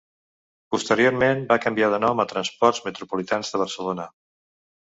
Posteriorment va canviar de nom a Transports Metropolitans de Barcelona.